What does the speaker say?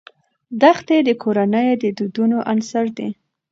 دښتې د کورنیو د دودونو عنصر دی.